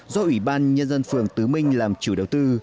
do ủy ban nhân dân phường tứ minh làm chủ đầu tư